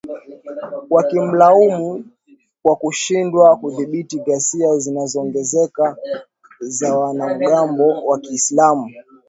wakimlaumu kwa kushindwa kudhibiti ghasia zinazoongezeka za wanamgambo wa kiislamu